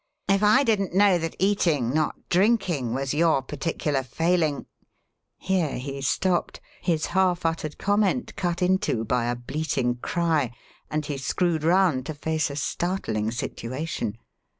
"If I didn't know that eating, not drinking, was your particular failing " Here he stopped, his half uttered comment cut into by a bleating cry, and he screwed round to face a startling situation.